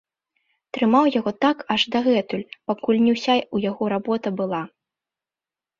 Трымаў яго так аж датуль, пакуль не ўся ў яго работа была.